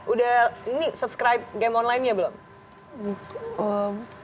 udah ini subscribe game online nya belum